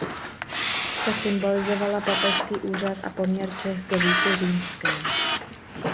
Ta symbolizovala papežský úřad a poměr Čech k říši římské.